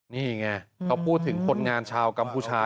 นี่ไงเขาพูดถึงคนงานชาวกัมพูชา